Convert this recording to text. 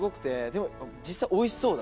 でも実際おいしそうだし。